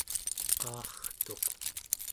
aartuq